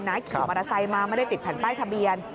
ขี่มอเตอร์ไซค์มาไม่ได้ติดแผ่นป้ายทะเบียน